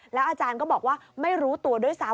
อาจารย์ก็บอกว่าไม่รู้ตัวด้วยซ้ำ